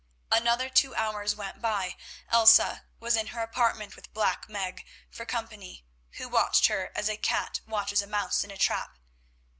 Another two hours went by. Elsa was in her apartment with Black Meg for company, who watched her as a cat watches a mouse in a trap.